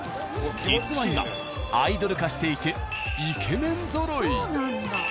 実は今アイドル化していてイケメンぞろい。